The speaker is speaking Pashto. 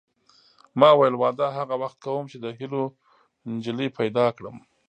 ما ویل واده هغه وخت کوم چې د هیلو نجلۍ پیدا کړم